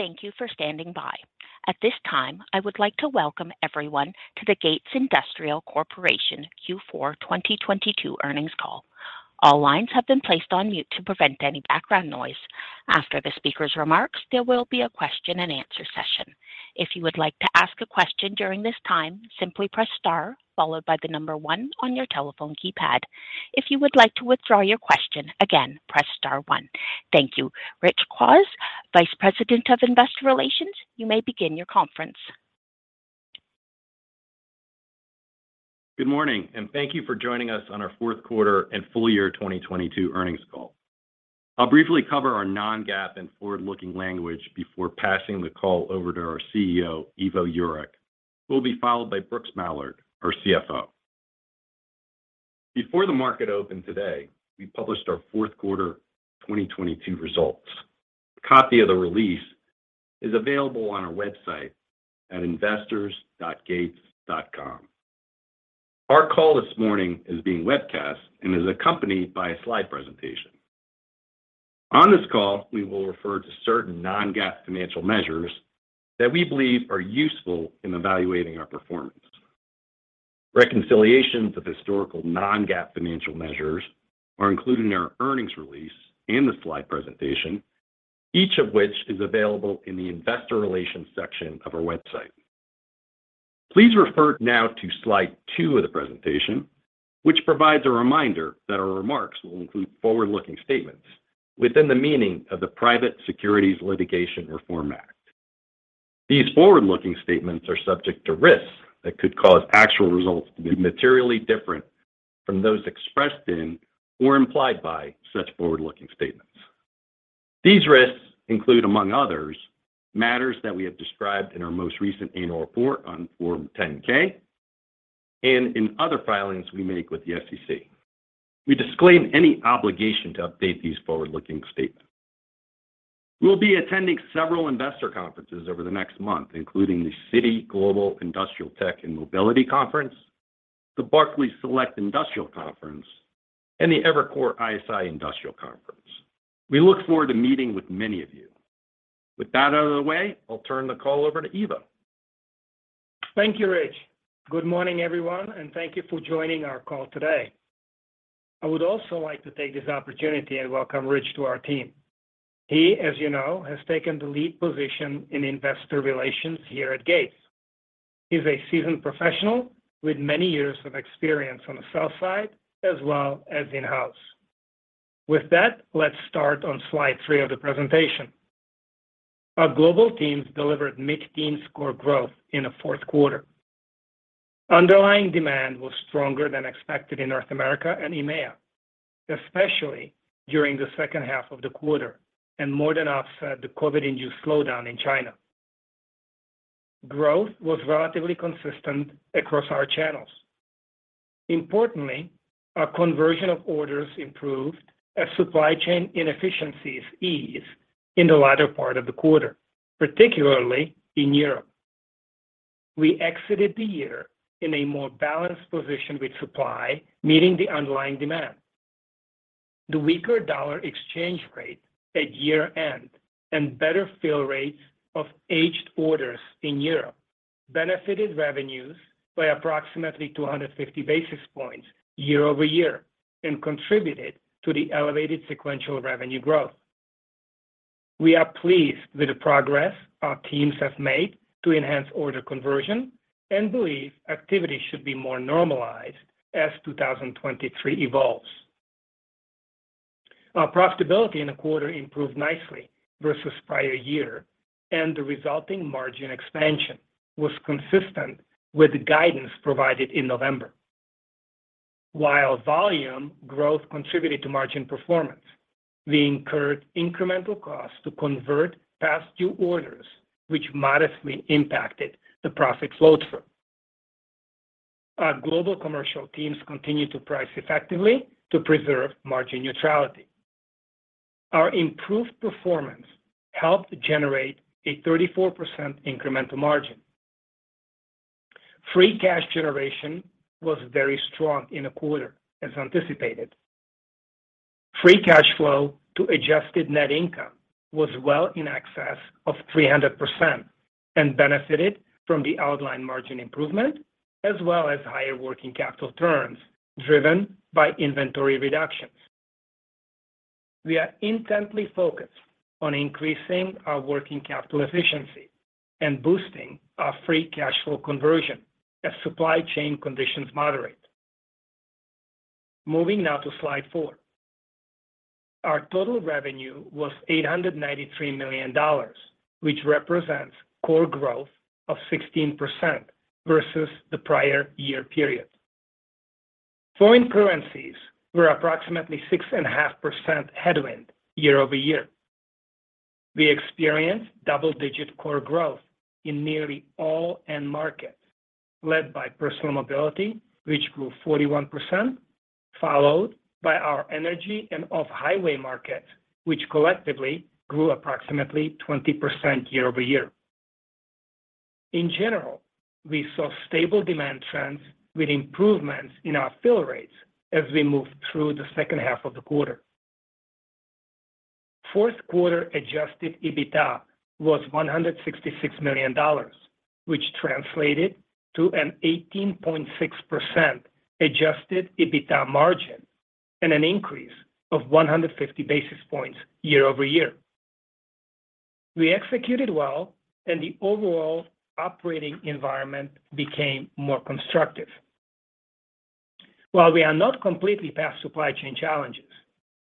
Thank you for standing by. At this time, I would like to welcome everyone to the Gates Industrial Corporation Q4 2022 earnings call. All lines have been placed on mute to prevent any background noise. After the speaker's remarks, there will be a question and answer session. If you would like to ask a question during this time, simply press star followed by the number one on your telephone keypad. If you would like to withdraw your question, again, press star one. Thank you. Rich Kwas, Vice President of Investor Relations, you may begin your conference. Good morning, and thank you for joining us on our fourth quarter and full year 2022 earnings call. I'll briefly cover our non-GAAP and forward-looking language before passing the call over to our CEO, Ivo Jurek, who will be followed by Brooks Mallard, our CFO. Before the market opened today, we published our fourth quarter 2022 results. A copy of the release is available on our website at investors.gates.com. Our call this morning is being webcast and is accompanied by a slide presentation. On this call, we will refer to certain non-GAAP financial measures that we believe are useful in evaluating our performance. Reconciliations of historical non-GAAP financial measures are included in our earnings release and the slide presentation, each of which is available in the investor relations section of our website. Please refer now to slide two of the presentation, which provides a reminder that our remarks will include forward-looking statements within the meaning of the Private Securities Litigation Reform Act. These forward-looking statements are subject to risks that could cause actual results to be materially different from those expressed in or implied by such forward-looking statements. These risks include, among others, matters that we have described in our most recent annual report on Form 10-K and in other filings we make with the SEC. We disclaim any obligation to update these forward-looking statements. We'll be attending several investor conferences over the next month, including the Citi Global Industrial Tech and Mobility Conference, the Barclays Industrial Select Conference, and the Evercore ISI Industrial Conference. We look forward to meeting with many of you. With that out of the way, I'll turn the call over to Ivo. Thank you, Rich. Good morning, everyone, and thank you for joining our call today. I would also like to take this opportunity and welcome Rich to our team. He, as you know, has taken the lead position in investor relations here at Gates. He's a seasoned professional with many years of experience on the sell side as well as in-house. With that, let's start on slide three of the presentation. Our global teams delivered mid-teen core growth in the fourth quarter. Underlying demand was stronger than expected in North America and EMEA, especially during the second half of the quarter, and more than offset the COVID-induced slowdown in China. Growth was relatively consistent across our channels. Importantly, our conversion of orders improved as supply chain inefficiencies eased in the latter part of the quarter, particularly in Europe. We exited the year in a more balanced position with supply meeting the underlying demand. The weaker dollar exchange rate at year-end and better fill rates of aged orders in Europe benefited revenues by approximately 250 basis points year-over-year and contributed to the elevated sequential revenue growth. We are pleased with the progress our teams have made to enhance order conversion and believe activity should be more normalized as 2023 evolves. Our profitability in the quarter improved nicely versus prior year, and the resulting margin expansion was consistent with the guidance provided in November. While volume growth contributed to margin performance, we incurred incremental costs to convert past due orders, which modestly impacted the profit flow through. Our global commercial teams continued to price effectively to preserve margin neutrality. Our improved performance helped generate a 34% incremental margin. Free cash generation was very strong in the quarter as anticipated. Free cash flow to adjusted net income was well in excess of 300% and benefited from the outlined margin improvement as well as higher working capital turns driven by inventory reductions. We are intently focused on increasing our working capital efficiency and boosting our free cash flow conversion as supply chain conditions moderate. Moving now to Slide four. Our total revenue was $893 million, which represents core growth of 16% versus the prior year period. Foreign currencies were approximately 6.5% headwind year-over-year. We experienced double-digit core growth in nearly all end markets, led by personal mobility, which grew 41%, followed by our energy and off-highway markets, which collectively grew approximately 20% year-over-year. In general, we saw stable demand trends with improvements in our fill rates as we moved through the second half of the quarter. Fourth quarter adjusted EBITDA was $166 million, which translated to an 18.6% adjusted EBITDA margin and an increase of 150 basis points year-over-year. We executed well and the overall operating environment became more constructive. While we are not completely past supply chain challenges,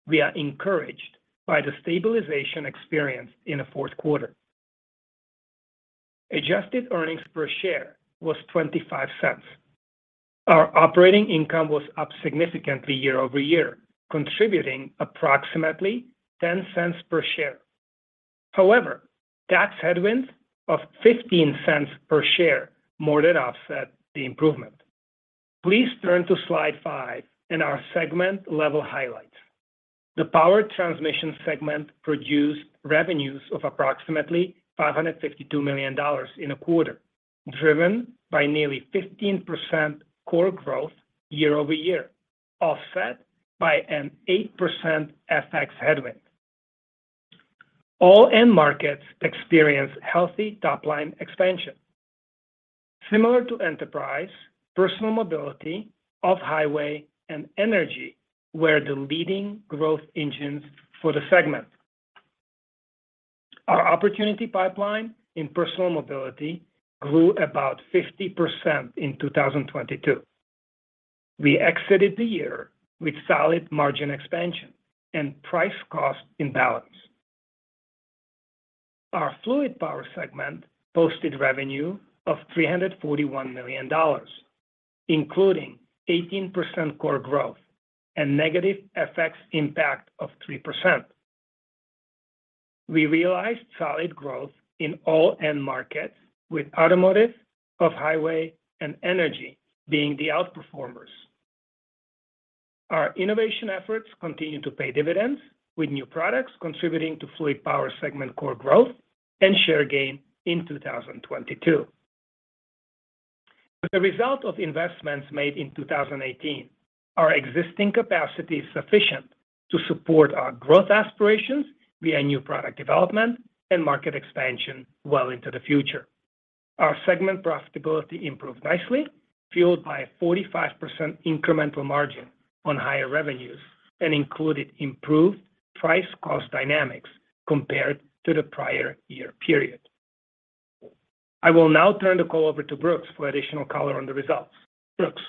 we are encouraged by the stabilization experienced in the fourth quarter. Adjusted earnings per share was $0.25. Our operating income was up significantly year-over-year, contributing approximately $0.10 per share. Tax headwinds of $0.15 per share more than offset the improvement. Please turn to slide five and our segment level highlights. The power transmission segment produced revenues of approximately $552 million in the quarter, driven by nearly 15% core growth year-over-year, offset by an 8% FX headwind. All end markets experienced healthy top line expansion. Similar to enterprise, personal mobility, off-highway, and energy were the leading growth engines for the segment. Our opportunity pipeline in personal mobility grew about 50% in 2022. We exited the year with solid margin expansion and price cost in balance. Our fluid power segment posted revenue of $341 million, including 18% core growth and negative FX impact of 3%. We realized solid growth in all end markets with automotive, off-highway, and energy being the outperformers. Our innovation efforts continue to pay dividends with new products contributing to fluid power segment core growth and share gain in 2022. As a result of investments made in 2018, our existing capacity is sufficient to support our growth aspirations via new product development and market expansion well into the future. Our segment profitability improved nicely, fueled by a 45% incremental margin on higher revenues and included improved price cost dynamics compared to the prior year period. I will now turn the call over to Brooks for additional color on the results. Brooks.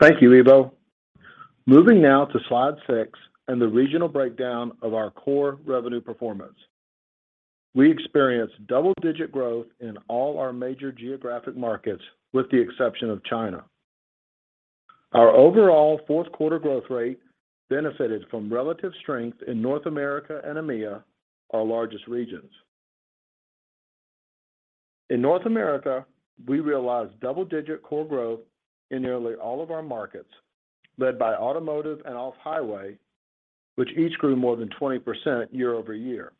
Thank you, Ivo. Moving now to slide six and the regional breakdown of our core revenue performance. We experienced double-digit growth in all our major geographic markets with the exception of China. Our overall fourth quarter growth rate benefited from relative strength in North America and EMEA, our largest regions. In North America, we realized double-digit core growth in nearly all of our markets, led by automotive and off-highway, which each grew more than 20% year-over-year.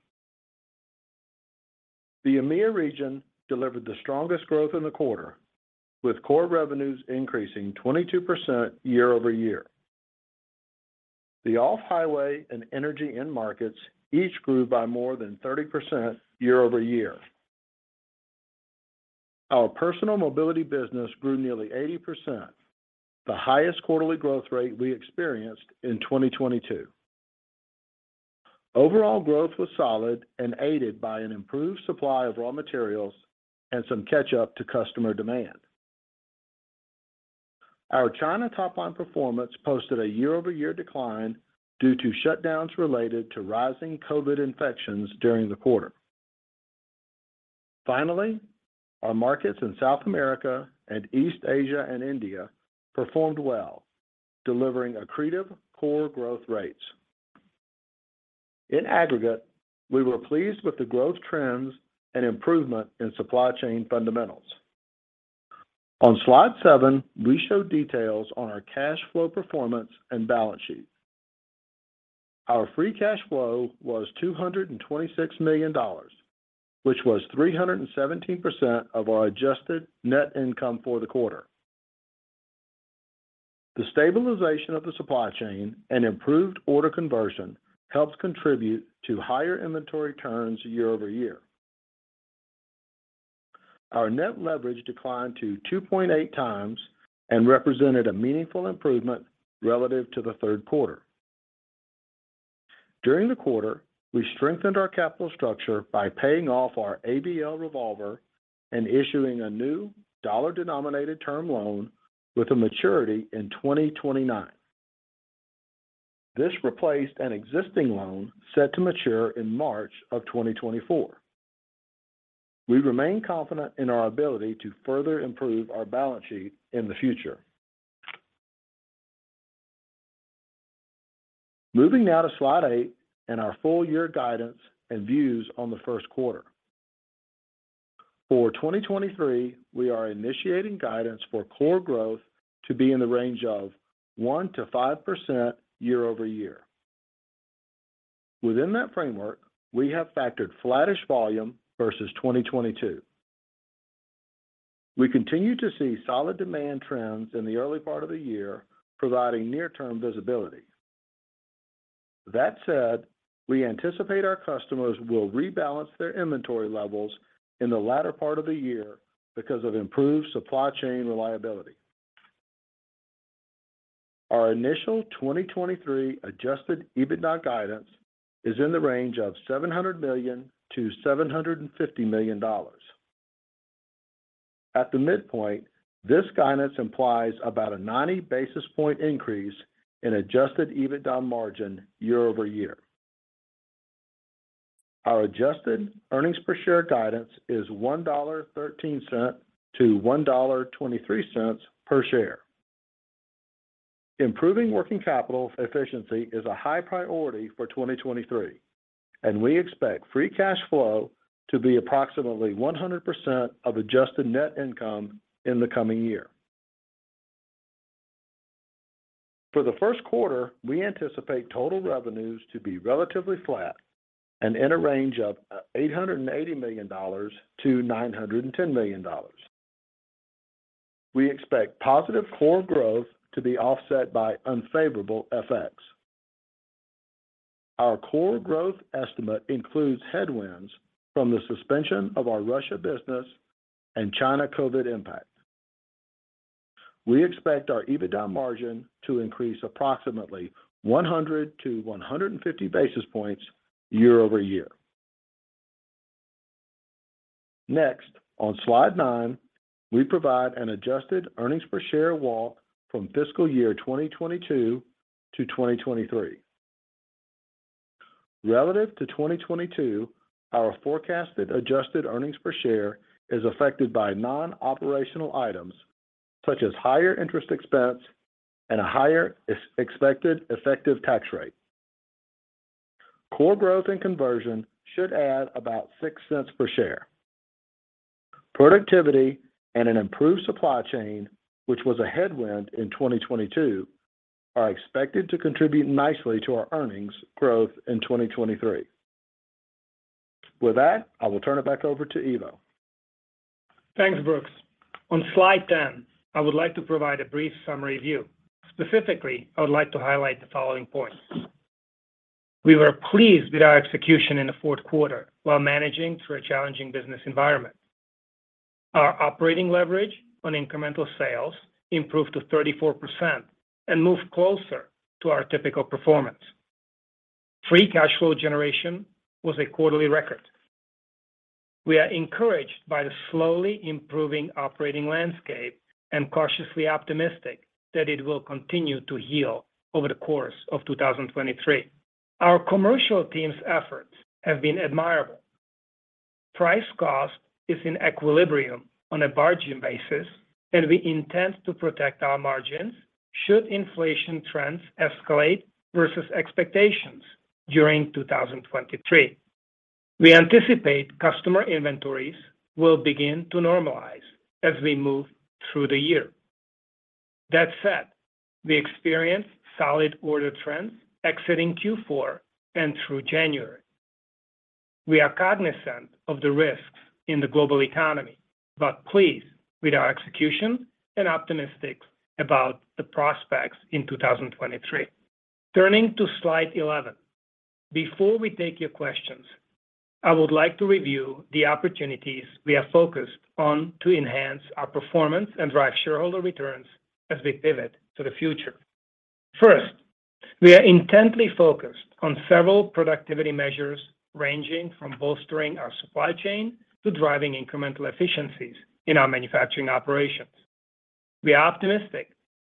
The EMEA region delivered the strongest growth in the quarter, with core revenues increasing 22% year-over-year. The off-highway and energy end markets each grew by more than 30% year-over-year. Our personal mobility business grew nearly 80%, the highest quarterly growth rate we experienced in 2022. Overall growth was solid and aided by an improved supply of raw materials and some catch up to customer demand. Our China top line performance posted a year-over-year decline due to shutdowns related to rising COVID infections during the quarter. Our markets in South America and East Asia and India performed well, delivering accretive core growth rates. In aggregate, we were pleased with the growth trends and improvement in supply chain fundamentals. On slide seven, we show details on our cash flow performance and balance sheet. Our free cash flow was $226 million, which was 317% of our adjusted net income for the quarter. The stabilization of the supply chain and improved order conversion helps contribute to higher inventory turns year-over-year. Our net leverage declined to 2.8x and represented a meaningful improvement relative to the third quarter. During the quarter, we strengthened our capital structure by paying off our ABL revolver and issuing a new dollar-denominated term loan with a maturity in 2029. This replaced an existing loan set to mature in March of 2024. We remain confident in our ability to further improve our balance sheet in the future. Moving now to slide eight and our full year guidance and views on the first quarter. For 2023, we are initiating guidance for core growth to be in the range of 1%-5% year-over-year. Within that framework, we have factored flattish volume versus 2022. We continue to see solid demand trends in the early part of the year, providing near-term visibility. We anticipate our customers will rebalance their inventory levels in the latter part of the year because of improved supply chain reliability. Our initial 2023 adjusted EBITDA guidance is in the range of $700 million-$750 million. At the midpoint, this guidance implies about a 90 basis point increase in adjusted EBITDA margin year-over-year. Our adjusted earnings per share guidance is $1.13 to $1.23 per share. Improving working capital efficiency is a high priority for 2023, and we expect free cash flow to be approximately 100% of adjusted net income in the coming year. For the first quarter, we anticipate total revenues to be relatively flat and in a range of $880 million-$910 million. We expect positive core growth to be offset by unfavorable FX. Our core growth estimate includes headwinds from the suspension of our Russia business and China COVID impact. We expect our EBITDA margin to increase approximately 100-150 basis points year-over-year. On slide nine, we provide an adjusted earnings per share walk from fiscal year 2022 to 2023. Relative to 2022, our forecasted adjusted earnings per share is affected by non-operational items such as higher interest expense and a higher expected effective tax rate. Core growth and conversion should add about $0.06 per share. Productivity and an improved supply chain, which was a headwind in 2022, are expected to contribute nicely to our earnings growth in 2023. With that, I will turn it back over to Ivo. Thanks, Brooks. On slide 10, I would like to provide a brief summary view. Specifically, I would like to highlight the following points. We were pleased with our execution in the fourth quarter while managing through a challenging business environment. Our operating leverage on incremental sales improved to 34% and moved closer to our typical performance. Free cash flow generation was a quarterly record. We are encouraged by the slowly improving operating landscape and cautiously optimistic that it will continue to heal over the course of 2023. Our commercial team's efforts have been admirable. Price cost is in equilibrium on a bargain basis, and we intend to protect our margins should inflation trends escalate versus expectations during 2023. We anticipate customer inventories will begin to normalize as we move through the year. That said, we experienced solid order trends exiting Q4 and through January. We are cognizant of the risks in the global economy, pleased with our execution and optimistic about the prospects in 2023. Turning to slide 11. Before we take your questions, I would like to review the opportunities we are focused on to enhance our performance and drive shareholder returns as we pivot to the future. First, we are intently focused on several productivity measures, ranging from bolstering our supply chain to driving incremental efficiencies in our manufacturing operations. We are optimistic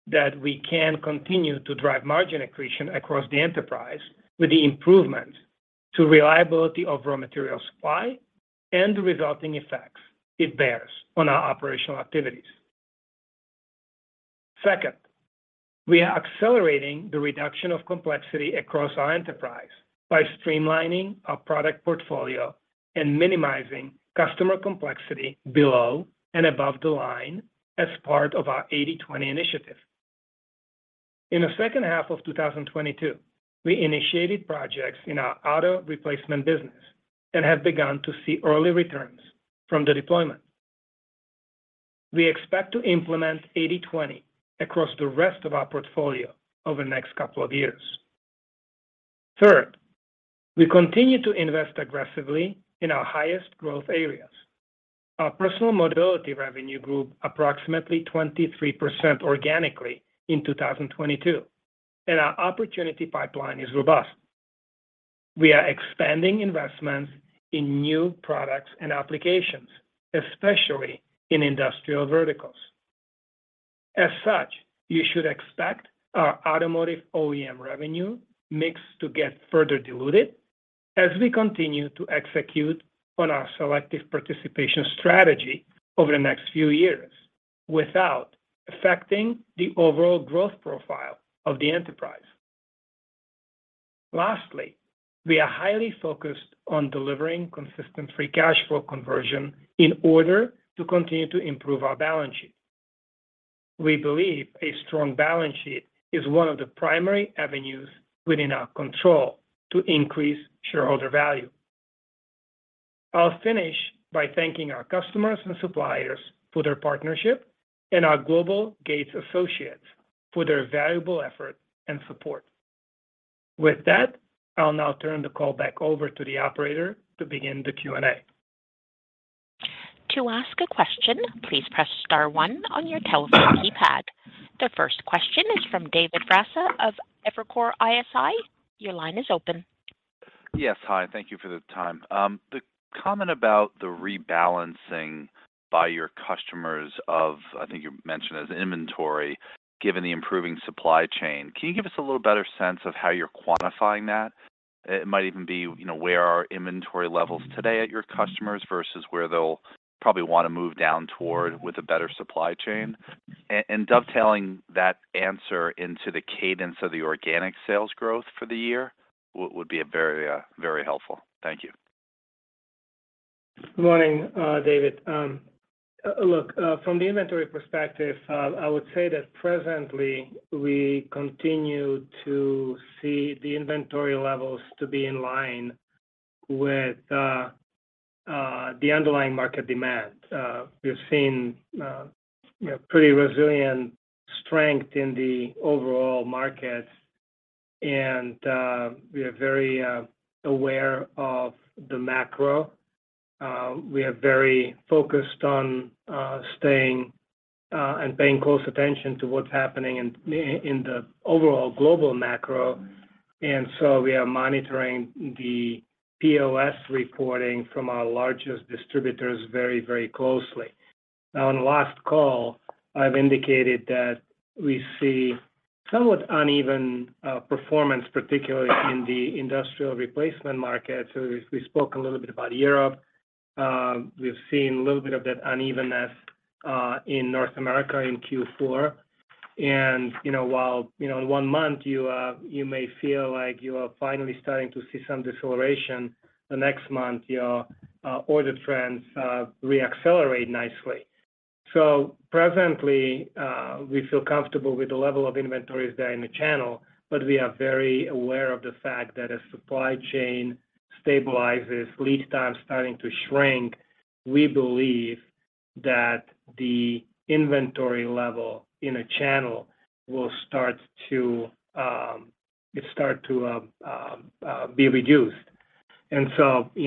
that we can continue to drive margin accretion across the enterprise with the improvement to reliability of raw material supply and the resulting effects it bears on our operational activities. Second, we are accelerating the reduction of complexity across our enterprise by streamlining our product portfolio and minimizing customer complexity below and above the line as part of our 80/20 initiative. In the second half of 2022, we initiated projects in our auto replacement business and have begun to see early returns from the deployment. We expect to implement 80/20 across the rest of our portfolio over the next couple of years. Third, we continue to invest aggressively in our highest growth areas. Our personal mobility revenue grew approximately 23% organically in 2022, and our opportunity pipeline is robust. We are expanding investments in new products and applications, especially in industrial verticals. As such, you should expect our automotive OEM revenue mix to get further diluted as we continue to execute on our selective participation strategy over the next few years without affecting the overall growth profile of the enterprise. Lastly, we are highly focused on delivering consistent free cash flow conversion in order to continue to improve our balance sheet. We believe a strong balance sheet is one of the primary avenues within our control to increase shareholder value. I'll finish by thanking our customers and suppliers for their partnership and our Global Gates Associates for their valuable effort and support. With that, I'll now turn the call back over to the operator to begin the Q&A. To ask a question, please press star one on your telephone keypad. The first question is from David Raso of Evercore ISI. Your line is open. Yes. Hi, thank you for the time. The comment about the rebalancing by your customers of, I think you mentioned as inventory, given the improving supply chain. Can you give us a little better sense of how you're quantifying that? It might even be, you know, where are inventory levels today at your customers versus where they'll probably wanna move down toward with a better supply chain. Dovetailing that answer into the cadence of the organic sales growth for the year would be a very, very helpful. Thank you. Good morning, David. Look, from the inventory perspective, I would say that presently we continue to see the inventory levels to be in line with the underlying market demand. We've seen, you know, pretty resilient strength in the overall markets, and we are very aware of the macro. We are very focused on staying and paying close attention to what's happening in the overall global macro. We are monitoring the POS reporting from our largest distributors very, very closely. Now, on the last call, I've indicated that we see somewhat uneven performance, particularly in the industrial replacement market. We spoke a little bit about Europe. We've seen a little bit of that unevenness in North America in Q4. You know, while, you know, in one month you may feel like you are finally starting to see some deceleration, the next month your order trends reaccelerate nicely. Presently, we feel comfortable with the level of inventories there in the channel, but we are very aware of the fact that as supply chain stabilizes, lead time starting to shrink, we believe that the inventory level in a channel will start to be reduced. You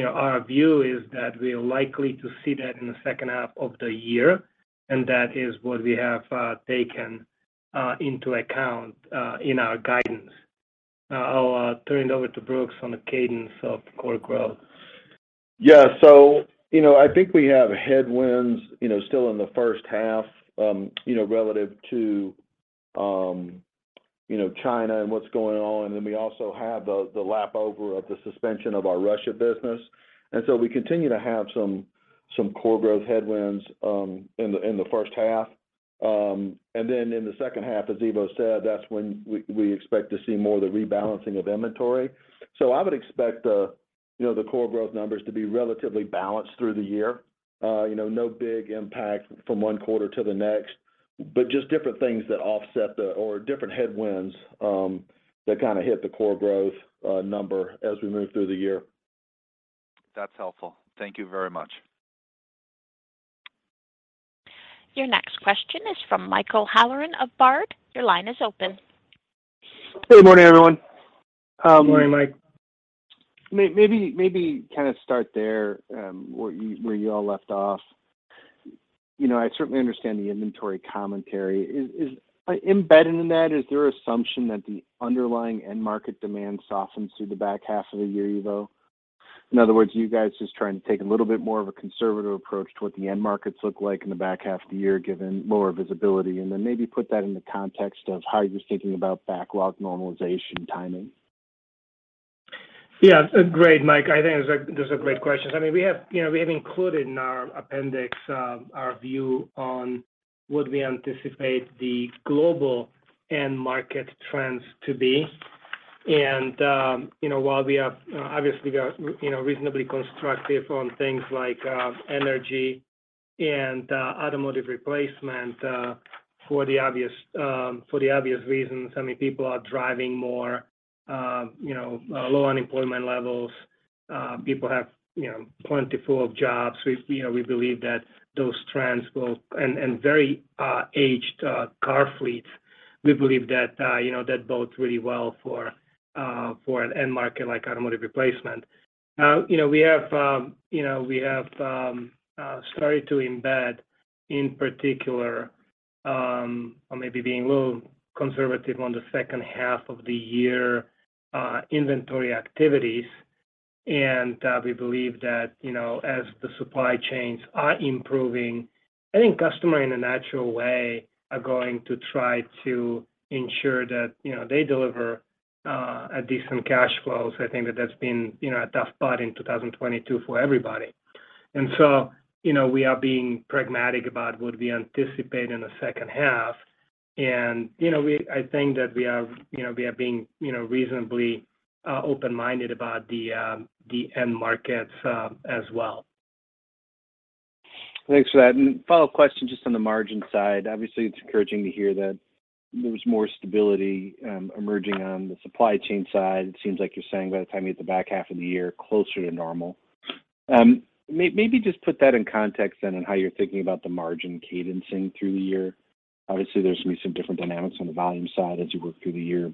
know, our view is that we are likely to see that in the second half of the year, and that is what we have, taken, into account, in our guidance. I'll turn it over to Brooks on the cadence of core growth. Yeah. You know, I think we have headwinds, you know, still in the first half, you know, relative to, you know, China and what's going on, and then we also have the lap over of the suspension of our Russia business. We continue to have some core growth headwinds in the first half. In the second half, as Ivo said, that's when we expect to see more of the rebalancing of inventory. I would expect the, you know, the core growth numbers to be relatively balanced through the year. You know, no big impact from one quarter to the next, but just different things that offset the, or different headwinds, that kind of hit the core growth number as we move through the year. That's helpful. Thank you very much. Your next question is from Michael Halloran of Baird. Your line is open. Good morning, everyone. Good morning, Mike. Maybe kind of start there, where you all left off. You know, I certainly understand the inventory commentary. Embedded in that, is there assumption that the underlying end market demand softens through the back half of the year, Ivo? In other words, are you guys just trying to take a little bit more of a conservative approach to what the end markets look like in the back half of the year, given lower visibility? Then maybe put that in the context of how you're thinking about backlog normalization timing? Yeah. Great, Mike. I think those are great questions. I mean, we have, you know, we have included in our appendix, our view on what we anticipate the global end market trends to be. You know, while we are, obviously we are, you know, reasonably constructive on things like energy and automotive replacement, for the obvious, for the obvious reasons, I mean, people are driving more, you know, low unemployment levels. People have, you know, plentiful of jobs. We, you know, we believe that those trends will... and very aged car fleets. We believe that, you know, that bodes really well for an end market like automotive replacement. You know, we have, you know, we have started to embed in particular, or maybe being a little conservative on the second half of the year, inventory activities. We believe that, you know, as the supply chains are improving, I think customer in a natural way are going to try to ensure that, you know, they deliver a decent cash flow. I think that that's been, you know, a tough spot in 2022 for everybody. You know, we are being pragmatic about what we anticipate in the second half. You know, I think that we are, you know, we are being, you know, reasonably open-minded about the end markets as well. Thanks for that. Follow-up question just on the margin side. Obviously, it's encouraging to hear that there's more stability emerging on the supply chain side. It seems like you're saying by the time you hit the back half of the year, closer to normal. Maybe just put that in context then on how you're thinking about the margin cadencing through the year. Obviously, there's gonna be some different dynamics on the volume side as you work through the year.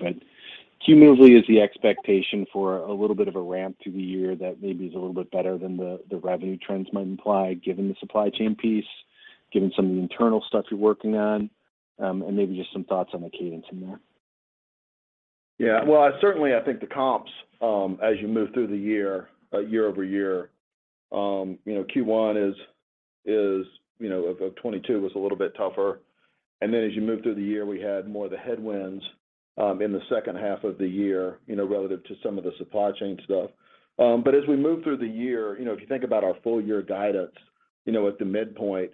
Cumulatively, is the expectation for a little bit of a ramp through the year that maybe is a little bit better than the revenue trends might imply, given the supply chain piece, given some of the internal stuff you're working on? Maybe just some thoughts on the cadence in there. Yeah. Well, certainly I think the comps, as you move through the year-over-year, you know, Q1 is, you know, of 2022 was a little bit tougher. Then as you move through the year, you know, we had more of the headwinds in the second half of the year, you know, relative to some of the supply chain stuff. As we move through the year, you know, if you think about our full year guidance, you know, at the midpoint,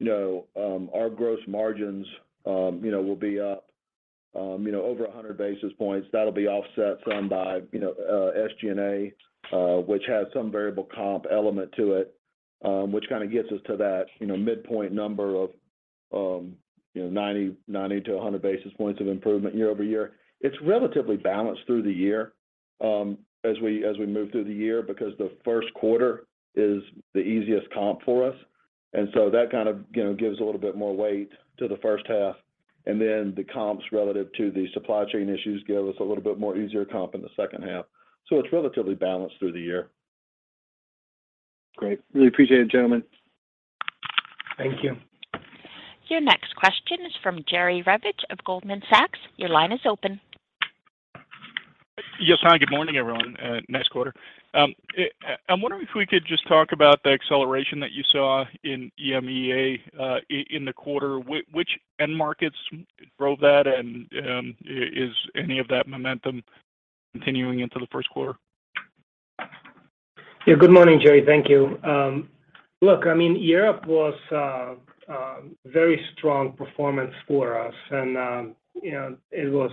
you know, our gross margins, you know, will be up, you know, over 100 basis points. That'll be offset some by, you know, SG&A, which has some variable comp element to it, which kind of gets us to that, you know, midpoint number of, you know, 90-100 basis points of improvement year-over-year. It's relatively balanced through the year, as we move through the year because the first quarter is the easiest comp for us. That kind of, you know, gives a little bit more weight to the first half. Then the comps relative to the supply chain issues give us a little bit more easier comp in the second half. It's relatively balanced through the year. Great. Really appreciate it, gentlemen. Thank you. Your next question is from Jerry Revich of Goldman Sachs. Your line is open. Yes. Hi, good morning, everyone. Nice quarter. I'm wondering if we could just talk about the acceleration that you saw in EMEA, in the quarter. Which end markets drove that? Is any of that momentum continuing into the first quarter? Yeah. Good morning, Jerry. Thank you. I mean, Europe was a very strong performance for us. You know, it was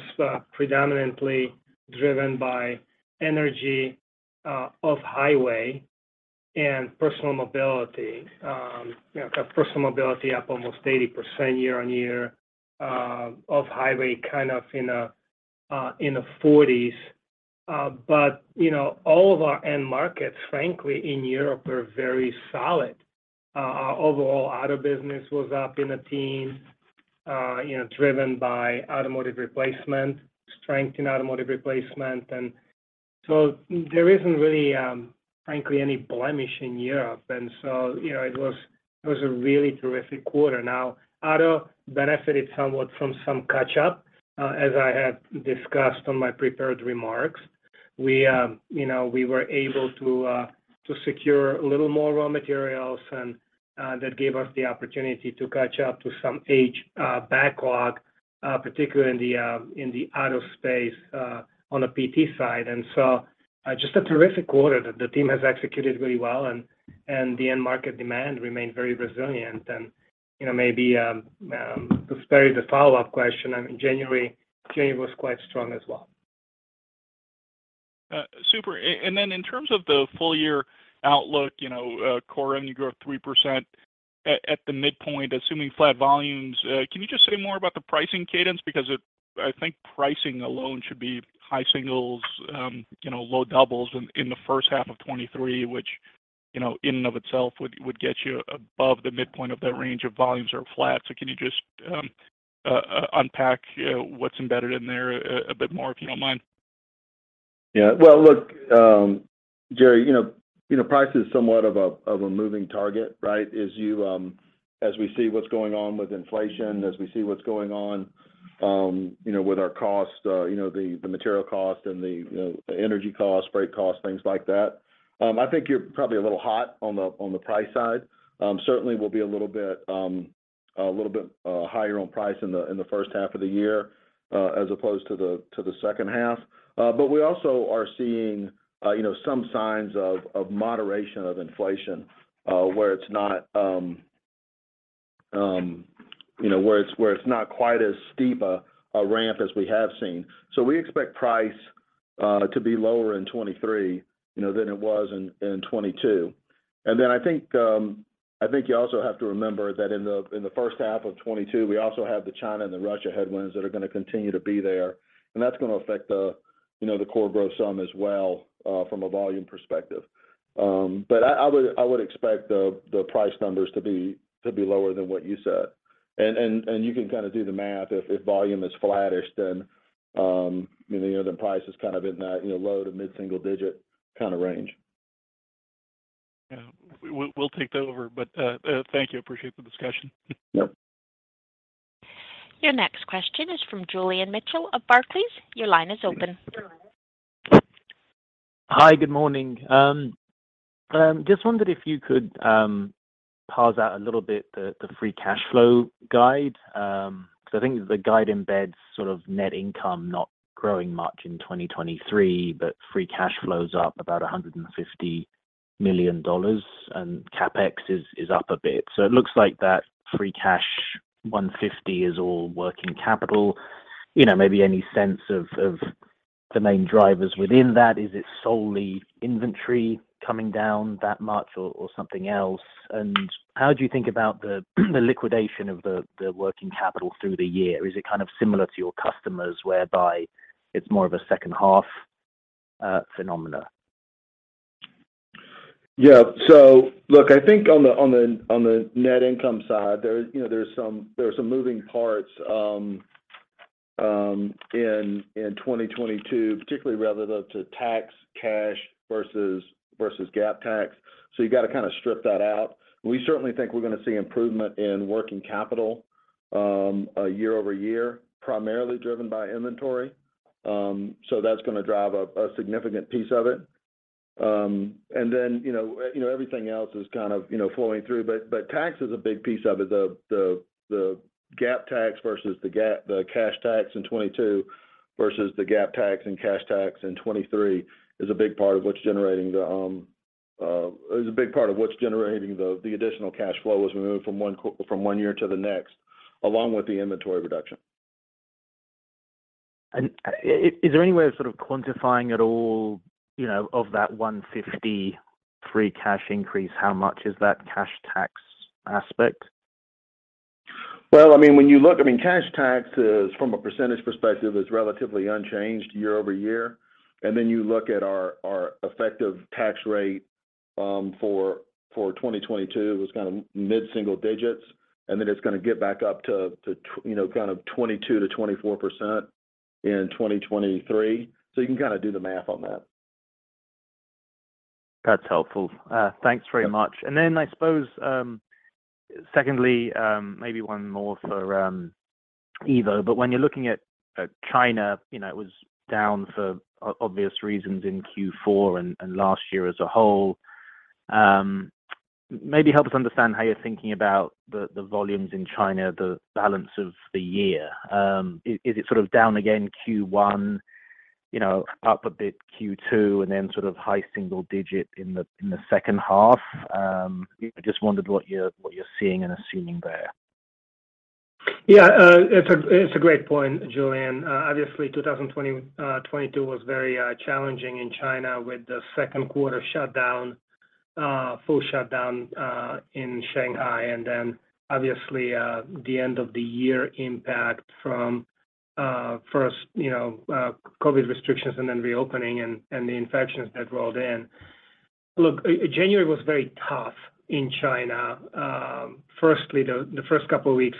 predominantly driven by energy, off-highway and personal mobility. You know, personal mobility up almost 80% year-over-year, off-highway kind of in the 40s. You know, all of our end markets, frankly, in Europe are very solid. Our overall auto business was up in the teens, you know, driven by automotive replacement, strength in automotive replacement. There isn't really, frankly any blemish in Europe. You know, it was a really terrific quarter. Now, auto benefited somewhat from some catch-up, as I had discussed on my prepared remarks. We, you know, we were able to secure a little more raw materials and that gave us the opportunity to catch up to some age backlog, particularly in the auto space, on the PT side. Just a terrific quarter that the team has executed really well and the end market demand remained very resilient. You know, maybe to spare you the follow-up question, I mean, January was quite strong as well. Super. Then in terms of the full year outlook, you know, Core M growth 3% at the midpoint, assuming flat volumes. Can you just say more about the pricing cadence? Because I think pricing alone should be high singles, you know, low doubles in the first half of 2023, which, you know, in and of itself would get you above the midpoint of that range of volumes are flat. Can you just unpack, you know, what's embedded in there a bit more, if you don't mind? Well, look, Jerry, you know, price is somewhat of a moving target, right? As you, as we see what's going on with inflation, as we see what's going on, you know, with our cost, you know, the material cost and the energy cost, freight cost, things like that. I think you're probably a little hot on the price side. Certainly we'll be a little bit higher on price in the first half of the year, as opposed to the second half. We also are seeing, you know, some signs of moderation of inflation, where it's not, you know, where it's not quite as steep a ramp as we have seen. We expect price to be lower in 2023, you know, than it was in 2022. I think you also have to remember that in the first half of 2022, we also have the China and the Russia headwinds that are gonna continue to be there, and that's gonna affect the, you know, the core growth some as well from a volume perspective. I would expect the price numbers to be lower than what you said. You can kind of do the math. If volume is flattish, then, you know, the price is kind of in that, you know, low to mid-single digit kind of range. Yeah. We'll take that over. Thank you. Appreciate the discussion. Yep. Your next question is from Julian Mitchell of Barclays. Your line is open. Hi. Good morning. just wondered if you could parse out a little bit the free cash flow guide. I think the guide embeds sort of net income not growing much in 2023, but free cash flow is up about $150 million and CapEx is up a bit. It looks like that free cash $150 is all working capital. You know, maybe any sense of. The main drivers within that, is it solely inventory coming down that much or something else? How do you think about the liquidation of the working capital through the year? Is it kind of similar to your customers whereby it's more of a second half phenomena? Look, I think on the net income side there, you know, there's some moving parts in 2022, particularly relative to tax cash versus GAAP tax. You gotta kinda strip that out. We certainly think we're gonna see improvement in working capital year-over-year, primarily driven by inventory. That's gonna drive a significant piece of it. Then, you know, you know, everything else is kind of, you know, flowing through, but tax is a big piece of it. The GAAP tax versus the cash tax in 2022 versus the GAAP tax and cash tax in 2023 is a big part of what's generating the. is a big part of what's generating the additional cash flow as we move from one year to the next, along with the inventory reduction. Is there any way of sort of quantifying at all, you know, of that $150 free cash increase? How much is that cash tax aspect? Well, I mean, cash tax is, from a percentage perspective, is relatively unchanged year-over-year. I mean, you look at our effective tax rate for 2022 was kind of mid-single digits, it's gonna get back up to, you know, kind of 22%-24% in 2023. You can kinda do the math on that. That's helpful. Thanks very much. I suppose, secondly, maybe one more for Ivo. When you're looking at China, you know, it was down for obvious reasons in Q4 and last year as a whole. Maybe help us understand how you're thinking about the volumes in China, the balance of the year. Is it sort of down again Q1, you know, up a bit Q2, and then sort of high single digit in the second half? Just wondered what you're, what you're seeing and assuming there. It's a great point, Julian. Obviously 2020, 2022 was very challenging in China with the second quarter shutdown, full shutdown in Shanghai, and then obviously the end of the year impact from first, you know, COVID restrictions and then reopening and the infections that rolled in. January was very tough in China. Firstly, the first couple of weeks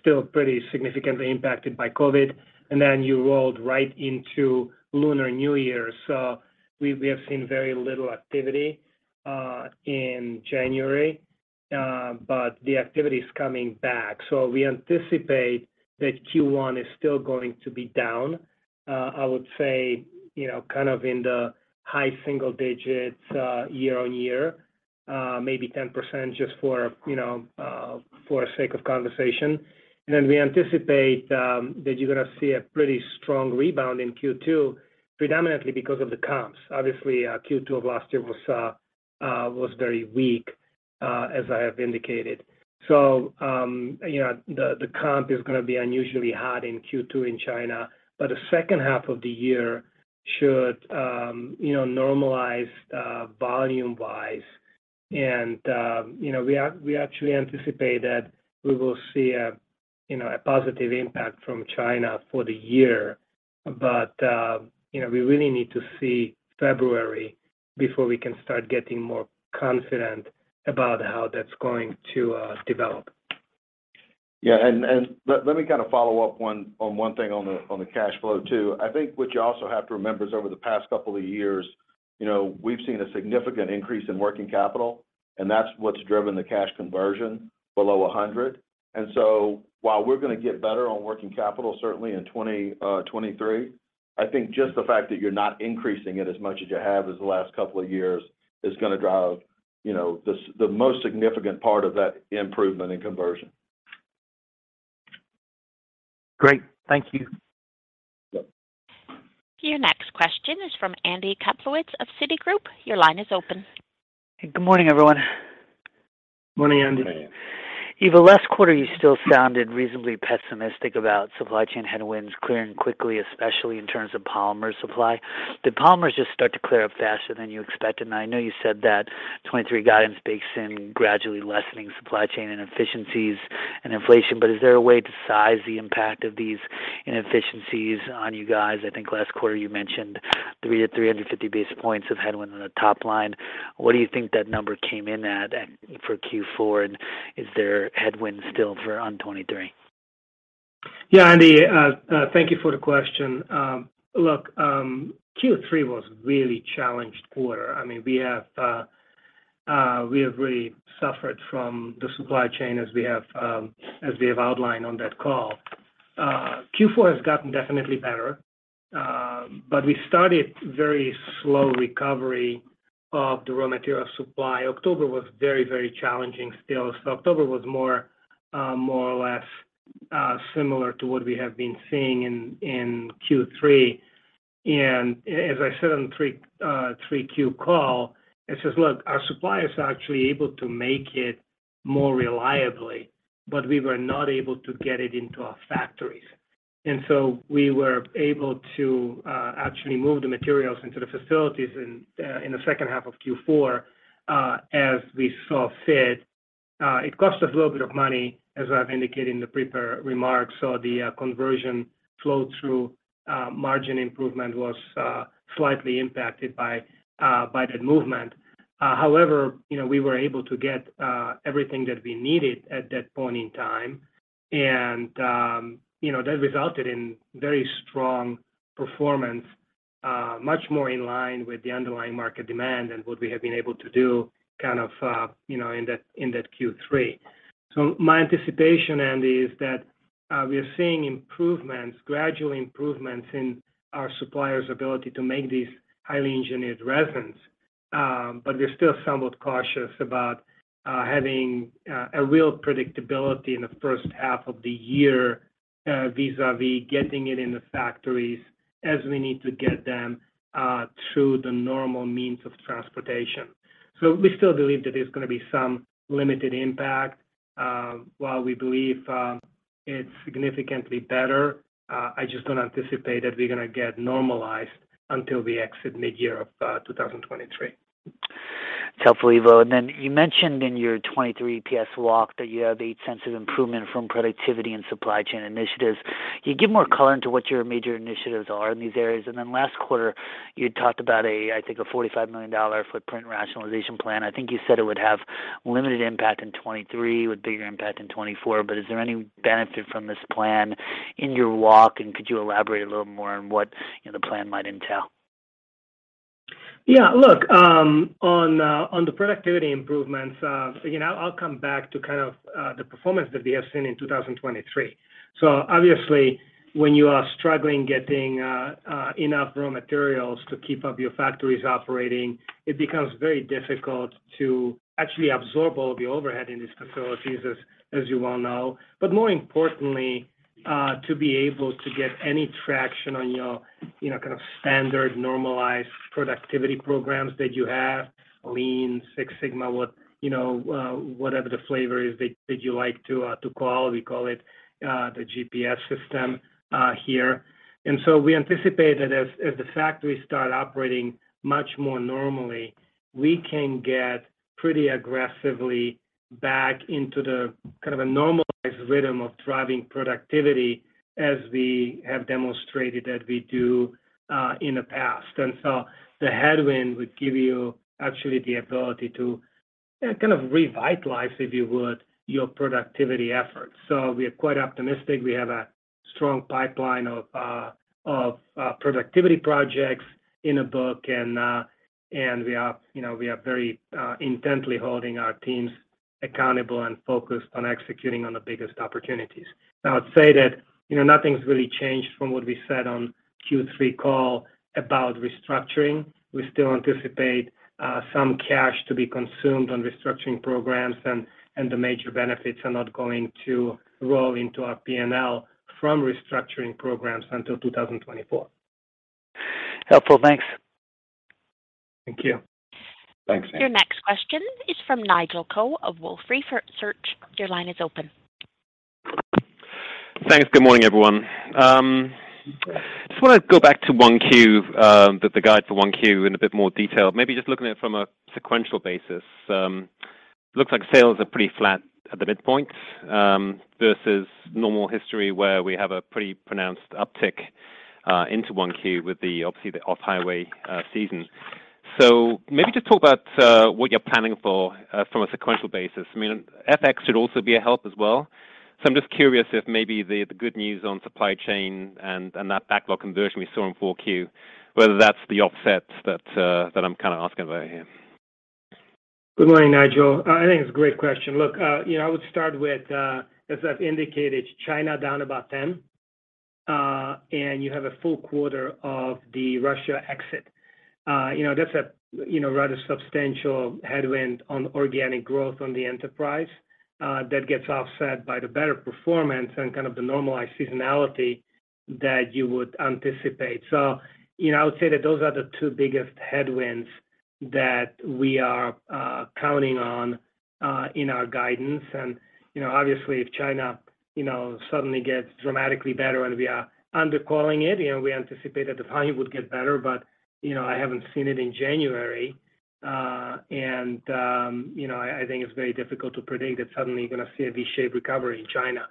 still pretty significantly impacted by COVID, and then you rolled right into Lunar New Year. We have seen very little activity in January, but the activity is coming back. We anticipate that Q1 is still going to be down, I would say, you know, kind of in the high single digits year-on-year, maybe 10% just for, you know, for sake of conversation. Then we anticipate that you're gonna see a pretty strong rebound in Q2, predominantly because of the comps. Obviously, Q2 of last year was very weak, as I have indicated. You know, the comp is gonna be unusually hard in Q2 in China, but the second half of the year should, you know, normalize, volume-wise. You know, we actually anticipate that we will see a, you know, a positive impact from China for the year. You know, we really need to see February before we can start getting more confident about how that's going to develop. Yeah. Let me kind of follow up on one thing on the cash flow too. I think what you also have to remember is over the past couple of years, you know, we've seen a significant increase in working capital, and that's what's driven the cash conversion below 100. While we're gonna get better on working capital, certainly in 2023, I think just the fact that you're not increasing it as much as you have as the last couple of years is gonna drive, you know, the most significant part of that improvement in conversion. Great. Thank you. Yep. Your next question is from Andy Kaplowitz of Citigroup. Your line is open. Good morning, everyone. Morning, Andy. Morning. Ivo, last quarter you still sounded reasonably pessimistic about supply chain headwinds clearing quickly, especially in terms of polymer supply. Did polymers just start to clear up faster than you expected? I know you said that 2023 guidance bakes in gradually lessening supply chain inefficiencies and inflation, but is there a way to size the impact of these inefficiencies on you guys? I think last quarter you mentioned 300-350 basis points of headwind on the top line. What do you think that number came in at for Q4? Is there headwinds still for on 2023? Yeah, Andy, thank you for the question. Look, Q3 was a really challenged quarter. I mean, we have really suffered from the supply chain as we have outlined on that call. Q4 has gotten definitely better, we started very slow recovery of the raw material supply. October was very challenging still. October was more or less similar to what we have been seeing in Q3. As I said on 3Q call, it's just look, our suppliers are actually able to make it more reliably, we were not able to get it into our factories. We were able to actually move the materials into the facilities in the second half of Q4, as we saw fit. It cost us a little bit of money, as I've indicated in the prepared remarks. The conversion flow through, margin improvement was slightly impacted by the movement. However, you know, we were able to get everything that we needed at that point in time. You know, that resulted in very strong performance, much more in line with the underlying market demand and what we have been able to do kind of, you know, in that, in that Q3. My anticipation, Andy, is that we are seeing improvements, gradual improvements in our suppliers' ability to make these highly engineered resins. We're still somewhat cautious about having a real predictability in the first half of the year, vis-a-vis getting it in the factories as we need to get them through the normal means of transportation. We still believe that there's gonna be some limited impact. While we believe it's significantly better, I just don't anticipate that we're gonna get normalized until we exit mid-year of 2023. That's helpful, Ivo. You mentioned in your 2023 PS walk that you have a sense of improvement from productivity and supply chain initiatives. Can you give more color into what your major initiatives are in these areas? Last quarter, you talked about a, I think, a $45 million footprint rationalization plan. I think you said it would have limited impact in 2023, with bigger impact in 2024. Is there any benefit from this plan in your walk, and could you elaborate a little more on what, you know, the plan might entail? Look, on the productivity improvements, you know, I'll come back to kind of the performance that we have seen in 2023. Obviously, when you are struggling getting enough raw materials to keep up your factories operating, it becomes very difficult to actually absorb all of the overhead in these facilities as you well know. More importantly, to be able to get any traction on your, you know, kind of standard normalized productivity programs that you have, Lean, Six Sigma, what, you know, whatever the flavor is that you like to call. We call it the GPS system here. We anticipate that as the factories start operating much more normally, we can get pretty aggressively back into the kind of a normalized rhythm of driving productivity as we have demonstrated that we do in the past. The headwind would give you actually the ability to kind of revitalize, if you would, your productivity efforts. We are quite optimistic. We have a strong pipeline of productivity projects in the book, and we are, you know, we are very intently holding our teams accountable and focused on executing on the biggest opportunities. I would say that, you know, nothing's really changed from what we said on Q3 call about restructuring. We still anticipate some cash to be consumed on restructuring programs, and the major benefits are not going to roll into our P&L from restructuring programs until 2024. Helpful. Thanks. Thank you. Thanks. Your next question is from Nigel Coe of Wolfe Research. Your line is open. Thanks. Good morning, everyone. Just wanna go back to 1Q, the guide for 1Q in a bit more detail. Maybe just looking at it from a sequential basis. Looks like sales are pretty flat at the midpoint, versus normal history, where we have a pretty pronounced uptick into 1Q with the, obviously the off-highway season. Maybe just talk about what you're planning for from a sequential basis. I mean, FX should also be a help as well. I'm just curious if maybe the good news on supply chain and that backlog conversion we saw in 4Q, whether that's the offset that I'm kinda asking about here. Good morning, Nigel. I think it's a great question. Look, you know, I would start with, as I've indicated, China down about 10%, and you have a full quarter of the Russia exit. You know, that's a, you know, rather substantial headwind on organic growth on the enterprise, that gets offset by the better performance and kind of the normalized seasonality that you would anticipate. You know, I would say that those are the two biggest headwinds that we are counting on in our guidance. You know, obviously if China, you know, suddenly gets dramatically better and we are under calling it, you know, we anticipate that the volume would get better. You know, I haven't seen it in January. you know, I think it's very difficult to predict that suddenly you're gonna see a V-shaped recovery in China.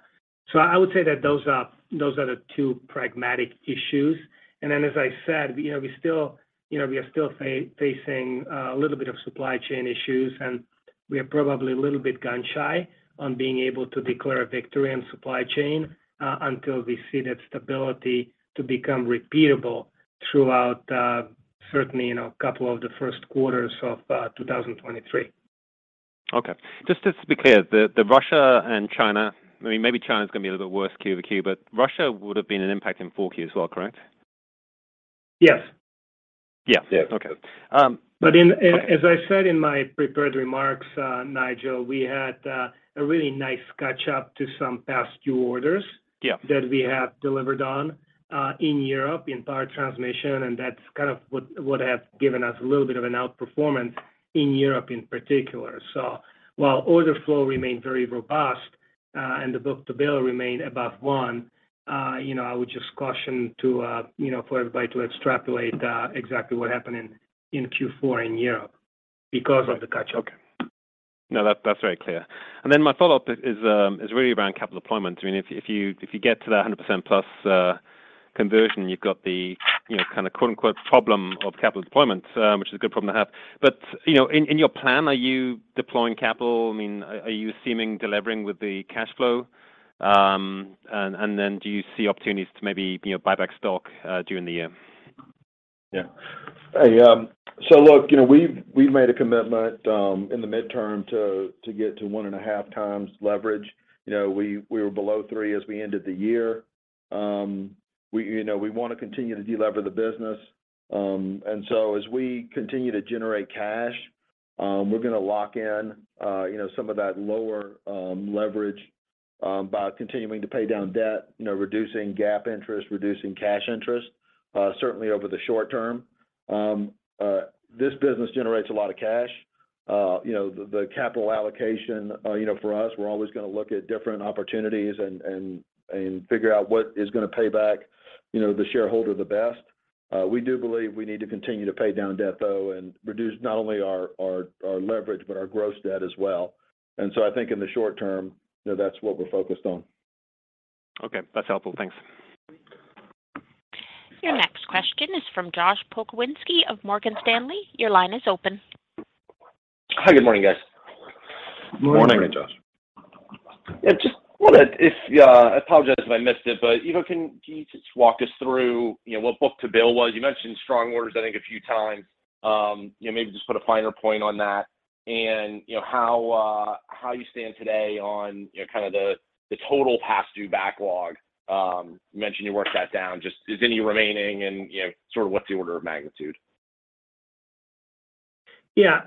I would say that those are the two pragmatic issues. As I said, you know, we still, you know, we are still facing a little bit of supply chain issues, and we are probably a little bit gun-shy on being able to declare a victory on supply chain until we see that stability to become repeatable throughout, certainly, you know, a couple of the first quarters of 2023. Okay. Just to be clear, the Russia and China. I mean, maybe China's gonna be a little bit worse Q-over-Q, but Russia would've been an impact in 4Q as well, correct? Yes. Yes. Okay. As I said in my prepared remarks, Nigel, we had a really nice catch up to some past due orders. Yeah That we have delivered on in Europe in power transmission, and that's kind of what have given us a little bit of an outperformance in Europe in particular. While order flow remained very robust. The book-to-bill remain above one. You know, I would just caution to, you know, for everybody to extrapolate exactly what happened in Q4 in Europe because of the catch-up. Okay. No, that's very clear. My follow-up is really around capital deployment. I mean, if you get to that 100% plus conversion, you've got the, you know, kind of quote unquote, "problem" of capital deployment, which is a good problem to have. You know, in your plan, are you deploying capital? I mean, are you seeming delivering with the cash flow? Then do you see opportunities to maybe, you know, buy back stock during the year? Yeah. Hey, look, you know, we've made a commitment in the midterm to get to 1.5x leverage. You know, we were below three as we ended the year. We, you know, we want to continue to deliver the business. As we continue to generate cash, we're gonna lock in, you know, some of that lower leverage by continuing to pay down debt, you know, reducing GAAP interest, reducing cash interest, certainly over the short term. This business generates a lot of cash. You know, the capital allocation, you know, for us, we're always gonna look at different opportunities and, and figure out what is gonna pay back, you know, the shareholder the best. We do believe we need to continue to pay down debt though and reduce not only our leverage but our gross debt as well. I think in the short term, you know, that's what we're focused on. Okay. That's helpful. Thanks. Your next question is from Josh Pokrzywinski of Morgan Stanley. Your line is open. Hi. Good morning, guys. Morning. Morning. Morning, Josh. Yeah, just wondered if, I apologize if I missed it, but, Ivo, can you just walk us through, you know, what book-to-bill was? You mentioned strong orders I think a few times. You know, maybe just put a finer point on that and, you know, how you stand today on, you know, kind of the total past due backlog. You mentioned you worked that down. Just is any remaining and, you know, sort of what's the order of magnitude? Yeah.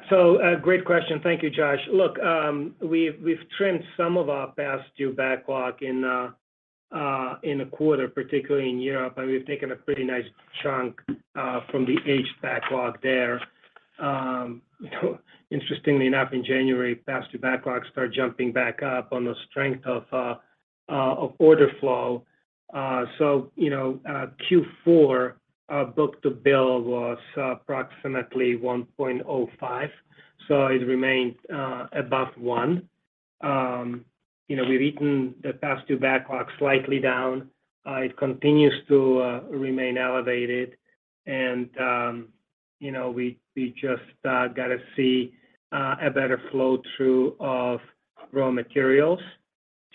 Great question. Thank you, Josh. Look, we've trimmed some of our past due backlog in the quarter, particularly in Europe, and we've taken a pretty nice chunk from the aged backlog there. You know, interestingly enough, in January, past due backlog started jumping back up on the strength of order flow. You know, Q4, our book-to-bill was approximately 1.05, so it remained above one. You know, we've eaten the past due backlog slightly down. It continues to remain elevated and, you know, we just got to see a better flow through of raw materials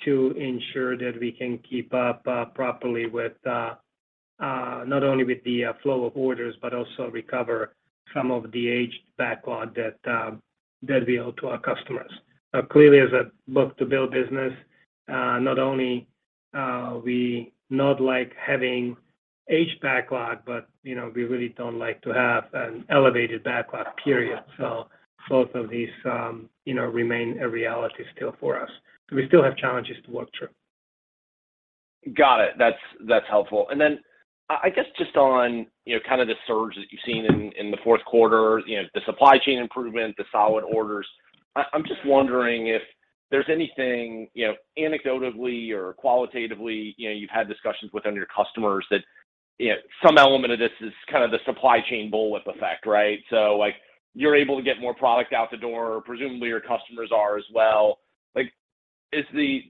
to ensure that we can keep up properly with not only with the flow of orders but also recover some of the aged backlog that we owe to our customers. Clearly as a book-to-bill business, not only we not like having aged backlog, but, you know, we really don't like to have an elevated backlog period. Both of these, you know, remain a reality still for us. We still have challenges to work through. Got it. That's helpful. Then I guess just on, you know, kind of the surge that you've seen in the fourth quarter, you know, the supply chain improvement, the solid orders, I'm just wondering if there's anything, you know, anecdotally or qualitatively, you know, you've had discussions with under your customers that, you know, some element of this is kind of the supply chain bullwhip effect, right? Like, you're able to get more product out the door, presumably your customers are as well. Like, is the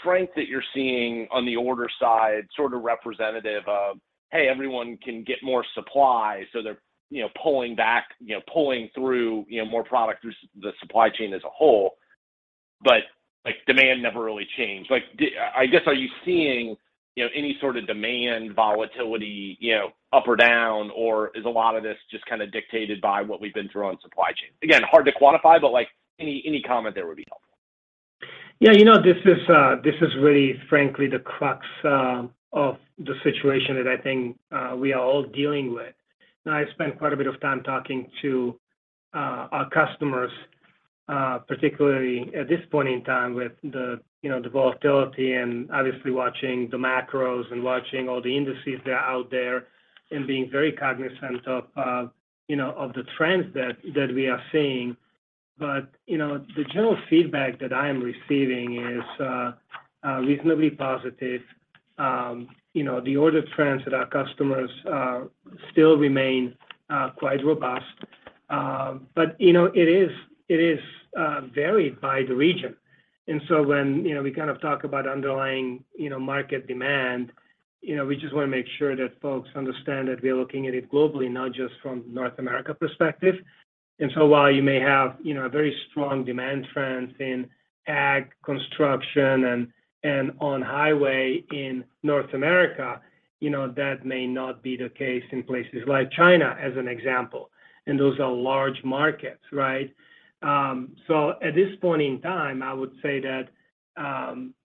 strength that you're seeing on the order side sort of representative of, hey, everyone can get more supply, so they're, you know, pulling back, you know, pulling through, you know, more product through the supply chain as a whole, but, like, demand never really changed? Like, I guess, are you seeing, you know, any sort of demand volatility, you know, up or down, or is a lot of this just kinda dictated by what we've been through on supply chain? Again, hard to quantify, but, like, any comment there would be helpful. Yeah, you know, this is, this is really frankly the crux of the situation that I think we are all dealing with. I've spent quite a bit of time talking to our customers, particularly at this point in time with the, you know, the volatility and obviously watching the macros and watching all the indices that are out there and being very cognizant of, you know, of the trends that we are seeing. You know, the general feedback that I am receiving is reasonably positive. You know, the order trends at our customers still remain quite robust. You know, it is varied by the region. When, you know, we kind of talk about underlying, you know, market demand, you know, we just wanna make sure that folks understand that we're looking at it globally, not just from North America perspective. While you may have, you know, a very strong demand trends in ag, construction and on highway in North America, you know, that may not be the case in places like China, as an example, and those are large markets, right? At this point in time, I would say that,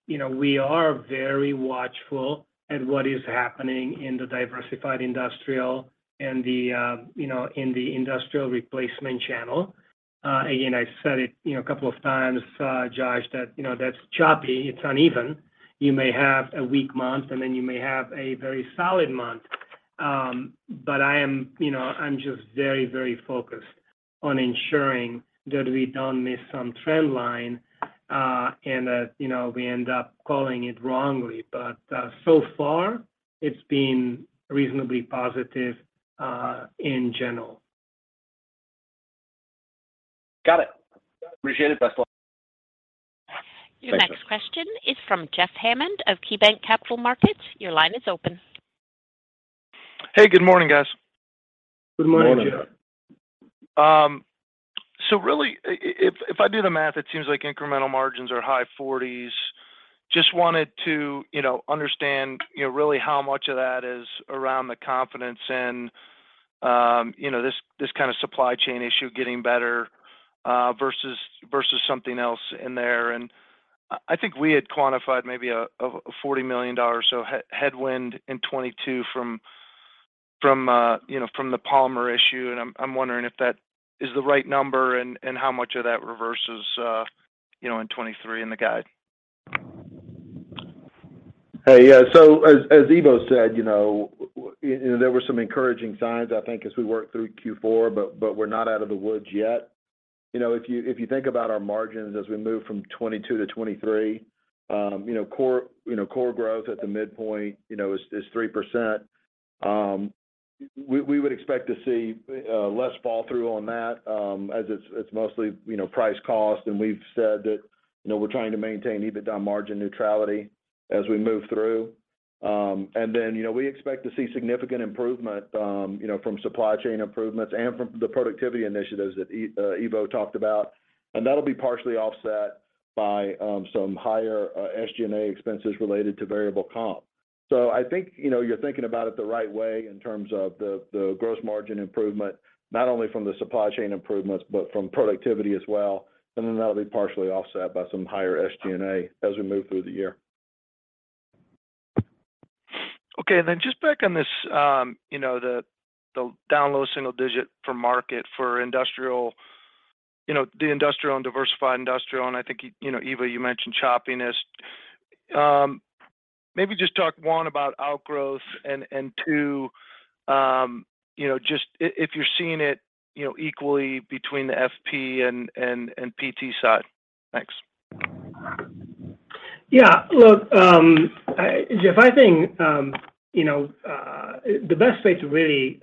you know, we are very watchful at what is happening in the diversified industrial and the, you know, in the industrial replacement channel. Again, I've said it, you know, a couple of times, Josh, that, you know, that's choppy, it's uneven. You may have a weak month, and then you may have a very solid month. I am, you know, I'm just very, very focused on ensuring that we don't miss some trend line, and that, you know, we end up calling it wrongly. So far it's been reasonably positive, in general. Got it. Appreciate it, Ivo. Your next question is from Jeff Hammond of KeyBanc Capital Markets. Your line is open. Hey, good morning, guys. Good morning, Jeff. Morning. Really if I do the math, it seems like incremental margins are high 40s. Just wanted to, you know, understand, you know, really how much of that is around the confidence in, you know, this kind of supply chain issue getting better, versus something else in there. I think we had quantified maybe a $40 million or so headwind in 2022 from, you know, from the polymer issue, and I'm wondering if that is the right number and how much of that reverses, you know, in 2023 in the guide. Hey, yeah. As Ivo said, you know, you know, there were some encouraging signs, I think, as we worked through Q4, but we're not out of the woods yet. You know, if you, if you think about our margins as we move from 2022 to 2023, you know, core, you know, core growth at the midpoint, you know, is 3%. We would expect to see less fall through on that, as it's mostly, you know, price cost, and we've said that, you know, we're trying to maintain EBITDA margin neutrality as we move through. You know, we expect to see significant improvement, you know, from supply chain improvements and from the productivity initiatives that Ivo talked about. That'll be partially offset by some higher SG&A expenses related to variable comp. I think, you know, you're thinking about it the right way in terms of the gross margin improvement, not only from the supply chain improvements, but from productivity as well. That'll be partially offset by some higher SG&A as we move through the year. Okay. Just back on this, you know, the down low single digit for market for industrial, you know, the industrial and diversified industrial. I think you know, Ivo, you mentioned choppiness. Maybe just talk, one, about outgrowth and, two, you know, just if you're seeing it, you know, equally between the FP and PT side. Thanks. Look, Jeff, I think, you know, the best way to really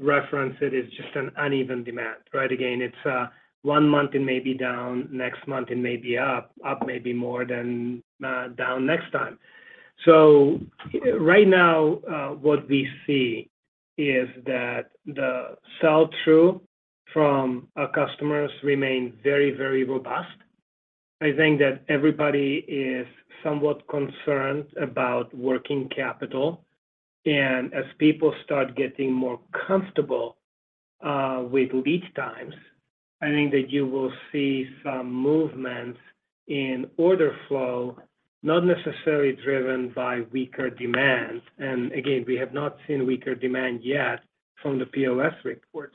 reference it is just an uneven demand, right? Again, it's one month it may be down, next month it may be up. Up maybe more than down next time. Right now, what we see is that the sell-through from our customers remain very, very robust. I think that everybody is somewhat concerned about working capital. As people start getting more comfortable with lead times, I think that you will see some movements in order flow, not necessarily driven by weaker demand. Again, we have not seen weaker demand yet from the POS reports,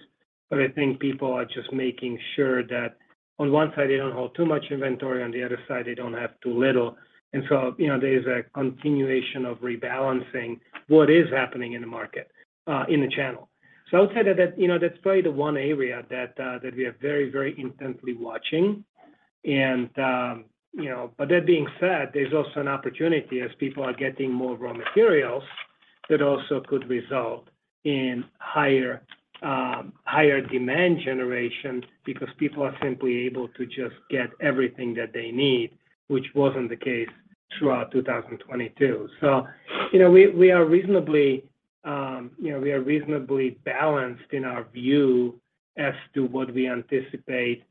but I think people are just making sure that on one side, they don't hold too much inventory, on the other side, they don't have too little. You know, there is a continuation of rebalancing what is happening in the market, in the channel. I would say that, you know, that's probably the one area that we are very, very intensely watching. But that being said, there's also an opportunity as people are getting more raw materials that also could result in higher demand generation because people are simply able to just get everything that they need, which wasn't the case throughout 2022. You know, we are reasonably, you know, we are reasonably balanced in our view as to what we anticipate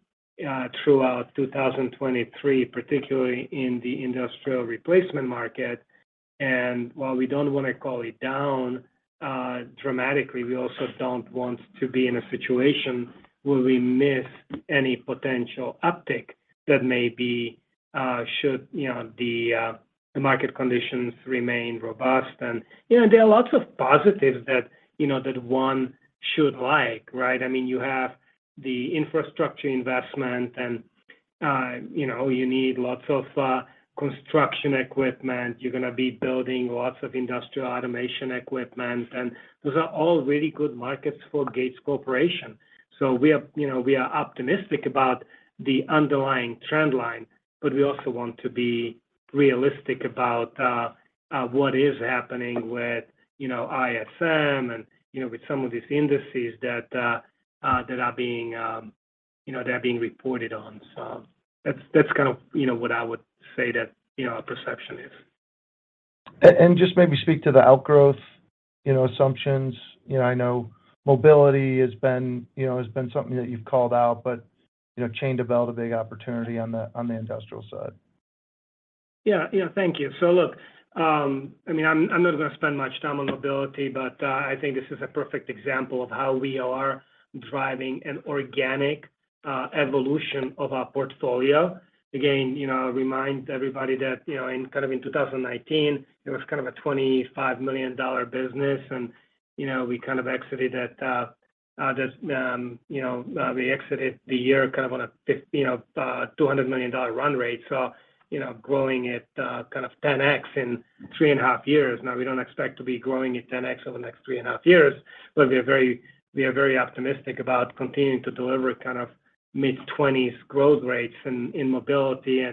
throughout 2023, particularly in the industrial replacement market. While we don't want to call it down dramatically, we also don't want to be in a situation where we miss any potential uptick that may be should, you know, the market conditions remain robust. You know, there are lots of positives that, you know, that one should like, right? I mean, you have the infrastructure investment and, you know, you need lots of construction equipment. You're going to be building lots of industrial automation equipment, and those are all really good markets for Gates Corporation. We are, you know, we are optimistic about the underlying trend line, but we also want to be realistic about what is happening with, you know, ISM and, you know, with some of these indices that are being, you know, they're being reported on. That's kind of, you know, what I would say that, you know, our perception is. Just maybe speak to the outgrowth, you know, assumptions. You know, I know mobility has been something that you've called out, but, you know, Chain to Belt a big opportunity on the industrial side. Yeah. Thank you. Look, I mean, I'm not gonna spend much time on mobility, but I think this is a perfect example of how we are driving an organic evolution of our portfolio. Again, you know, I remind everybody that, you know, in kind of in 2019, it was kind of a $25 million business and, you know, we kind of exited the year kind of on a, you know, $200 million run rate. You know, growing at kind of 10x in three and a half years. We don't expect to be growing at 10x over the next three and a half years, but we are very optimistic about continuing to deliver kind of mid-20s growth rates in mobility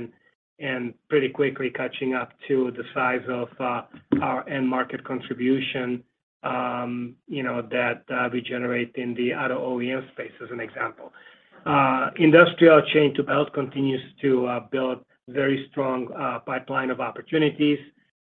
and pretty quickly catching up to the size of our end market contribution, you know, that we generate in the auto OEM space as an example. Industrial Chain to Belt continues to build very strong pipeline of opportunities.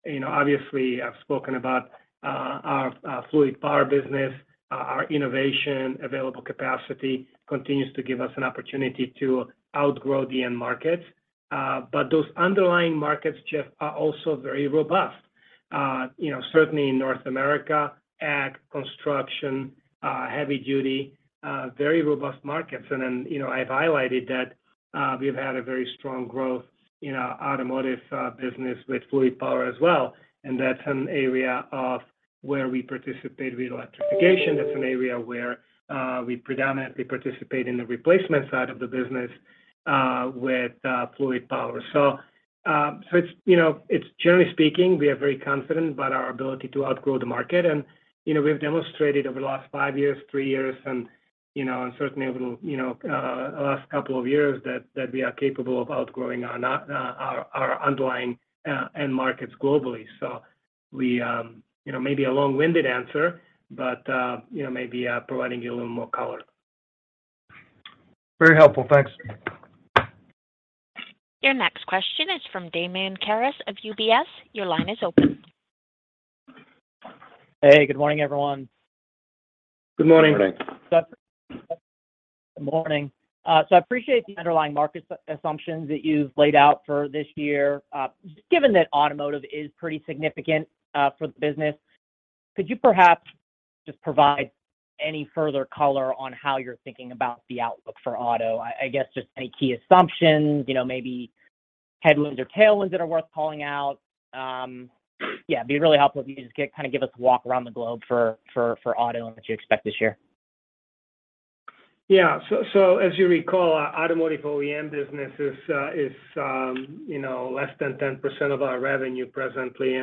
You know, obviously, I've spoken about our fluid power business. Our innovation available capacity continues to give us an opportunity to outgrow the end markets. Those underlying markets, Jeff, are also very robust. You know, certainly in North America, ag, construction, heavy duty, very robust markets. You know, I've highlighted that, we've had a very strong growth in our automotive business with fluid power as well, and that's an area of where we participate with electrification. That's an area where, we predominantly participate in the replacement side of the business, with, fluid power. It's, you know, it's generally speaking, we are very confident about our ability to outgrow the market. You know, we've demonstrated over the last five years, three years and, you know, and certainly over the, you know, last two years that we are capable of outgrowing our our underlying end markets globally. We, you know, maybe a long-winded answer, but, you know, maybe, providing you a little more color. Very helpful. Thanks. Your next question is from Damian Karas of UBS. Your line is open. Hey, good morning, everyone. Good morning. Good morning. Good morning. I appreciate the underlying market assumptions that you've laid out for this year. Given that automotive is pretty significant for the business, could you perhaps just provide any further color on how you're thinking about the outlook for auto? I guess just any key assumptions, you know, maybe headwinds or tailwinds that are worth calling out. Yeah, it'd be really helpful if you just kind of give us a walk around the globe for auto and what you expect this year. Yeah. As you recall, our automotive OEM business is, you know, less than 10% of our revenue presently.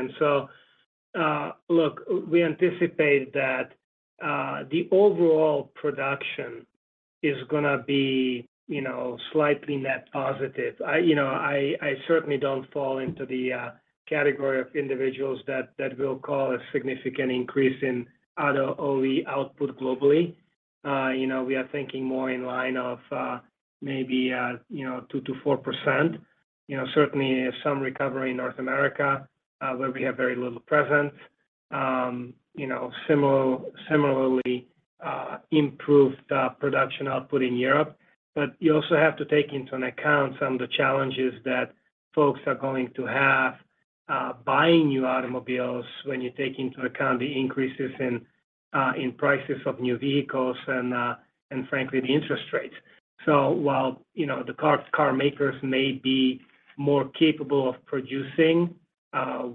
Look, we anticipate that the overall production is gonna be, you know, slightly net positive. I, you know, I certainly don't fall into the category of individuals that will call a significant increase in auto OE output globally. You know, we are thinking more in line of maybe, you know, 2%-4%. You know, certainly some recovery in North America, where we have very little presence. You know, similarly, improved production output in Europe. You also have to take into an account some of the challenges that folks are going to have buying new automobiles when you take into account the increases in prices of new vehicles and frankly, the interest rates. While, you know, the car makers may be more capable of producing,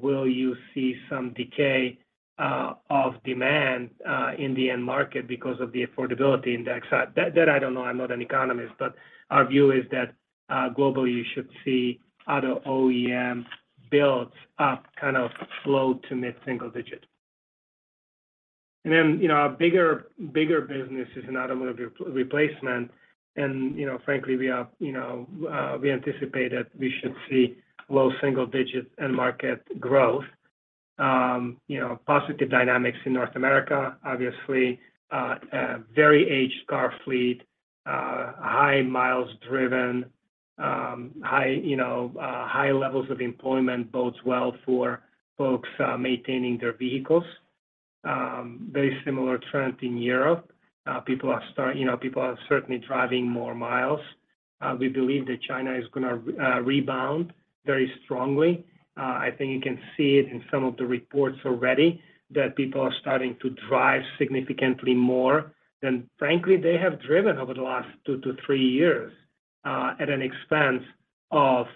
will you see some decay of demand in the end market because of the affordability index? That I don't know, I'm not an economist, but our view is that globally, you should see auto OEM builds up kind of slow to mid-single digit. You know, a bigger business is an automotive replacement and, you know, frankly, we are, you know, we anticipate that we should see low single digit end market growth. Positive dynamics in North America, obviously, a very aged car fleet, high miles driven, high levels of employment bodes well for folks maintaining their vehicles. Very similar trend in Europe. People are certainly driving more miles. We believe that China is gonna rebound very strongly. I think you can see it in some of the reports already that people are starting to drive significantly more than frankly, they have driven over the last two to three years, at an expense of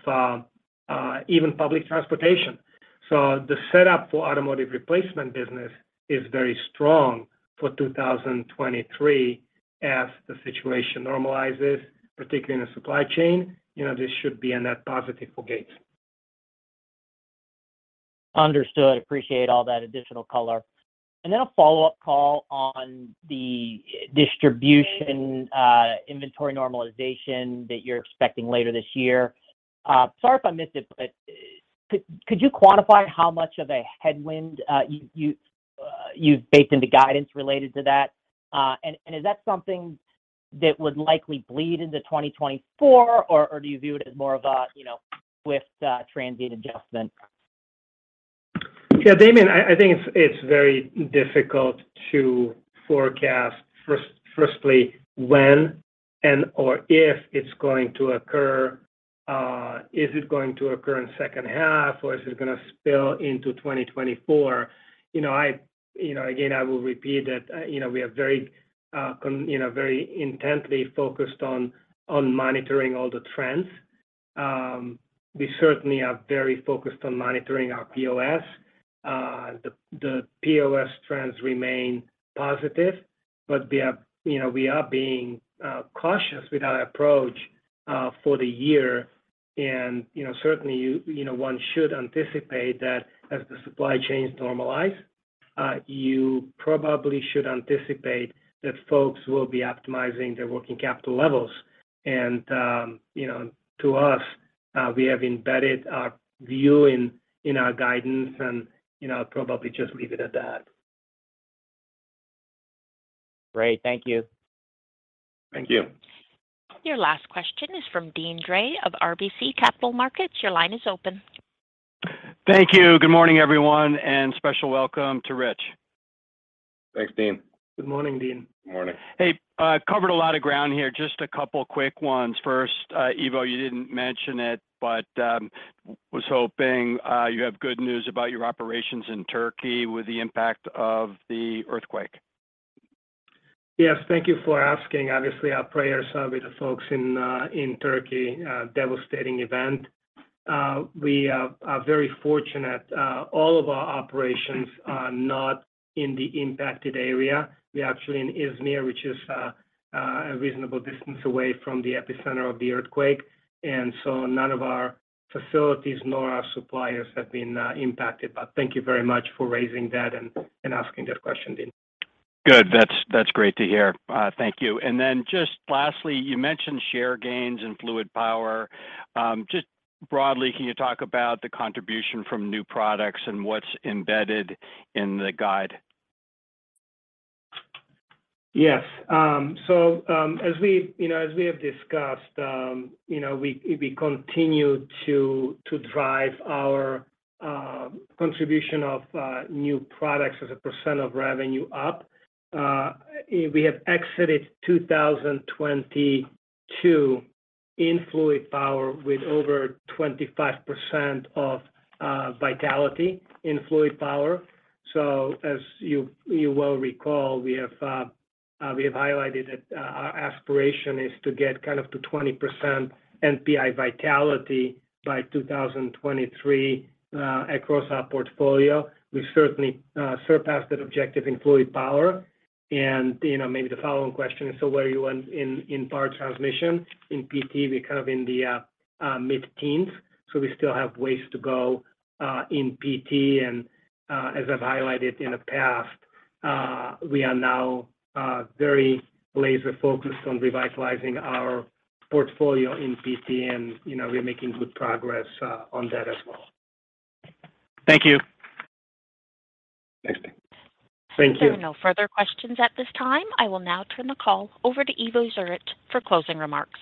even public transportation. The setup for automotive replacement business is very strong for 2023 as the situation normalizes, particularly in the supply chain. This should be a net positive for Gates. Understood. Appreciate all that additional color. Then a follow-up call on the distribution, inventory normalization that you're expecting later this year. Sorry if I missed it, but could you quantify how much of a headwind you've baked into guidance related to that? Is that something that would likely bleed into 2024 or do you view it as more of a, you know, swift, transient adjustment? Yeah, Damian, I think it's very difficult to forecast firstly when and or if it's going to occur. Is it going to occur in second half, or is it gonna spill into 2024? You know, I, you know, again, I will repeat that, you know, we are very, very intently focused on monitoring all the trends. We certainly are very focused on monitoring our POS. The POS trends remain positive, but we are, you know, we are being cautious with our approach for the year. Certainly, you know, one should anticipate that as the supply chains normalize, you probably should anticipate that folks will be optimizing their working capital levels. You know, to us, we have embedded our view in our guidance and, you know, I'll probably just leave it at that. Great. Thank you. Thank you. Your last question is from Deane Dray of RBC Capital Markets. Your line is open. Thank you. Good morning, everyone. Special welcome to Rich. Thanks, Deane. Good morning, Deane. Morning. Hey, covered a lot of ground here. Just a couple quick ones. First, Ivo, you didn't mention it, but was hoping you have good news about your operations in Turkey with the impact of the earthquake? Yes. Thank you for asking. Obviously, our prayers are with the folks in Turkey. Devastating event. We are very fortunate, all of our operations are not in the impacted area. We actually in Izmir, which is a reasonable distance away from the epicenter of the earthquake. None of our facilities nor our suppliers have been impacted. Thank you very much for raising that and asking that question, Deane. Good. That's great to hear. Thank you. Then just lastly, you mentioned share gains in Fluid Power. Just broadly, can you talk about the contribution from new products and what's embedded in the guide? Yes. As we, you know, as we have discussed, you know, we continue to drive our contribution of new products as a percent of revenue up. We have exited 2022 in Fluid Power with over 25% of vitality in Fluid Power. As you well recall, we have highlighted that our aspiration is to get kind of to 20% NPI vitality by 2023 across our portfolio. We certainly surpassed that objective in Fluid Power. You know, maybe the follow-on question is so where you went in Power Transmission. In PT, we're kind of in the mid-teens, so we still have ways to go in PT. As I've highlighted in the past, we are now very laser-focused on revitalizing our portfolio in PT and, you know, we're making good progress on that as well. Thank you. Thanks, Deane. Thank you. There are no further questions at this time. I will now turn the call over to Ivo Jurek for closing remarks.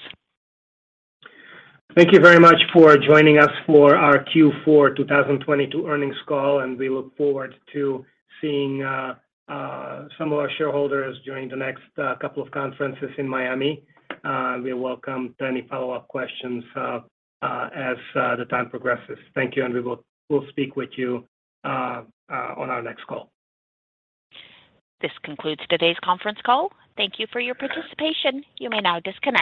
Thank you very much for joining us for our Q4 2022 earnings call, and we look forward to seeing some of our shareholders during the next couple of conferences in Miami. We welcome to any follow-up questions as the time progresses. Thank you, and we will speak with you on our next call. This concludes today's conference call. Thank you for your participation. You may now disconnect.